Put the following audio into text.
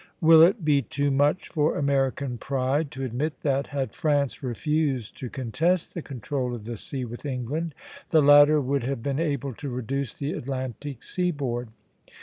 Will it be too much for American pride to admit that, had France refused to contest the control of the sea with England, the latter would have been able to reduce the Atlantic seaboard?